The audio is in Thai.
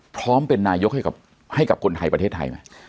พร้อมเป็นนายกให้กับคนไทยประเทศไทยไหม